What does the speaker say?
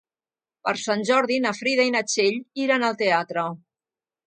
Per Sant Jordi na Frida i na Txell iran al teatre.